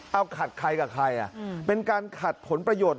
เอาขัดใครกับใครเป็นการขัดผลประโยชน์